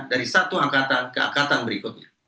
dari satu angkatan ke angkatan berikutnya